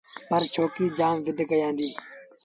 پرڇوڪري جآم زد ڪيآݩدي